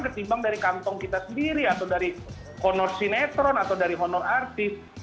ketimbang dari kantong kita sendiri atau dari honor sinetron atau dari honor artis